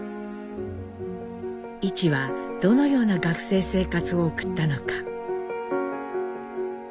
一はどのような学生生活を送ったのか。